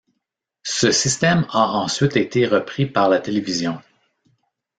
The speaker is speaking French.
Ce système a ensuite été repris par la télévision.